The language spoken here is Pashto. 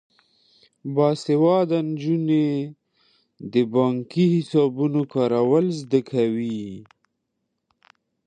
باسواده نجونې د بانکي حسابونو کارول زده کوي.